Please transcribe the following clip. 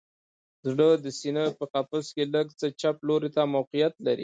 زړه د سینه په قفس کې لږ څه چپ لوري ته موقعیت لري